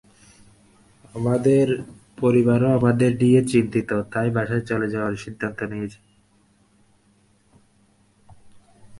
আমাদের পরিবারও আমাদের নিয়ে চিন্তিত, তাই বাসায় চলে যাওয়ার সিদ্ধান্ত নিয়েছি।